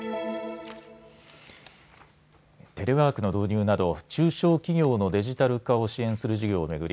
テレワークの導入など、中小企業のデジタル化を支援する事業を巡り